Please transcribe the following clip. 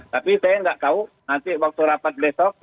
tapi saya nggak tahu nanti waktu rapat besok